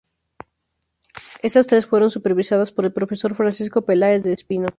Estas tres fueron supervisadas por el profesor Francisco Peláez del Espino.